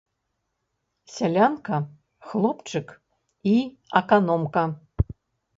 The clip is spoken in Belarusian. Сялянка, хлопчык і аканомка.